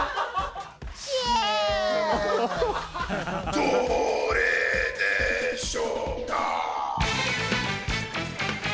どれでしょうか？